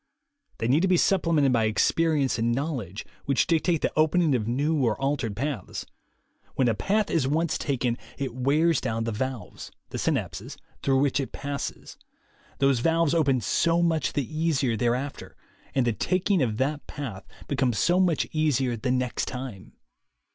They need to be supplemented by experience and knowledge, which dictate the opening of new or altered paths. When a path is once taken, it wears down the valves, the synapses, through which it passes. Those valves open so much the easier thereafter, and the taking of that path becomes so much easier the next time.